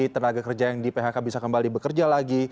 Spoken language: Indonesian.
tenaga kerja yang di phk bisa kembali bekerja lagi